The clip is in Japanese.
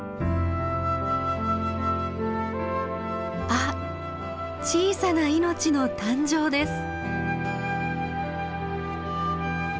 あっ小さな命の誕生です。